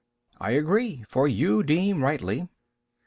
B. I agree, for you deem rightly.